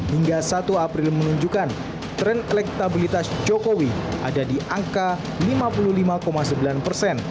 hingga satu april menunjukkan tren elektabilitas jokowi ada di angka lima puluh lima sembilan persen